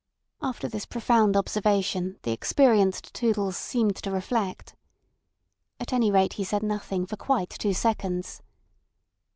After this profound observation the experienced Toodles seemed to reflect. At any rate he said nothing for quite two seconds.